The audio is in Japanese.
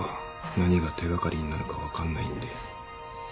何が手掛かりになるか分かんないんで。